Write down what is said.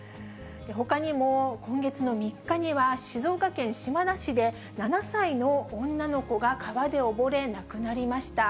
ほかにも今月の３日には、静岡県島田市で、７歳の女の子が川で溺れ亡くなりました。